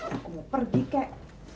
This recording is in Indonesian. aku mau pergi kek